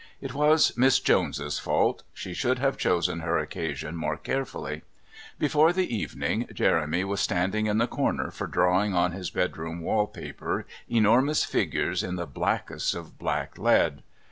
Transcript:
It was Miss Jones's fault; she should have chosen her occasion more carefully. Before the evening Jeremy was standing in the corner for drawing on his bedroom wall paper enormous figures in the blackest of black lead.